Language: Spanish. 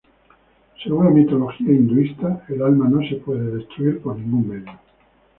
Según la mitología hinduista, el alma no se puede destruir por ningún medio.